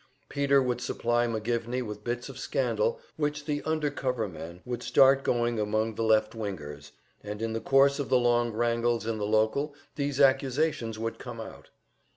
Peter would supply McGivney with bits of scandal which the "under cover" men would start going among the "left wingers;" and in the course of the long wrangles in the local these accusations would come out.